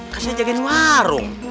kak saya jagain warung